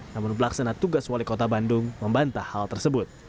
namun pelaksana tugas wali kota bandung membantah hal tersebut